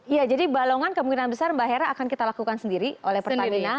iya jadi balongan kemungkinan besar mbak hera akan kita lakukan sendiri oleh pertamina